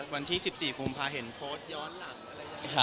วันที่๑๔กุมภาเห็นโพสต์ย้อนหลังอะไรอย่างนี้ค่ะ